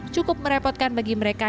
cukup merepotkan bagi mereka